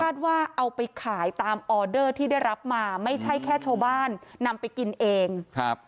ว่าเอาไปขายตามออเดอร์ที่ได้รับมาไม่ใช่แค่ชาวบ้านนำไปกินเองครับ